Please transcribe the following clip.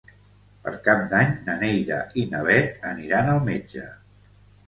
Per Cap d'Any na Neida i na Bet aniran al metge.